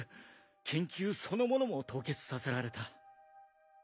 研究そのものも凍結させられた。